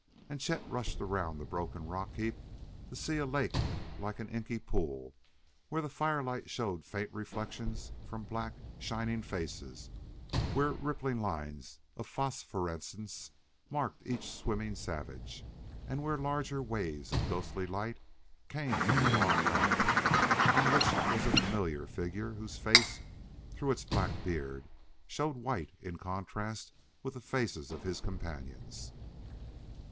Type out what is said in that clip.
And Chet rushed around the broken rock heap to see a lake like an inky pool, where the firelight showed faint reflections from black, shining faces; where rippling lines of phosphorescence marked each swimming savage; and where larger waves of ghostly light came from a log raft on which was a familiar figure whose face, through its black beard, showed white in contrast with the faces of his companions.